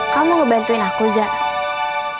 kamu mau ngebantuin aku zaa